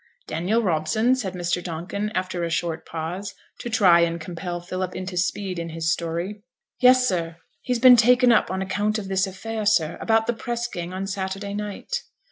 'Daniel Robson?' said Mr. Donkin, after a short pause, to try and compel Philip into speed in his story. 'Yes, sir. He's been taken up on account of this affair, sir, about the press gang on Saturday night.'